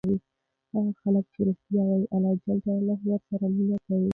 هغه خلک چې ریښتیا وایي الله ورسره مینه کوي.